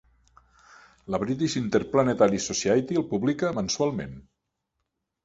La British Interplanetary Society el publica mensualment.